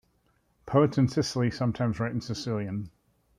Poets in Sicily sometimes write in Sicilian.